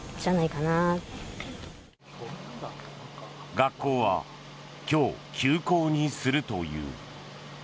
学校は今日、休校にするという。